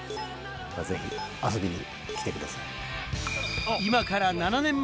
ぜひ遊びに来てください。